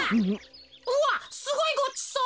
うわっすごいごちそう。